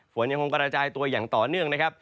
ฝนยังคงกระจายตัวอย่างต่อเนื่องนะครับ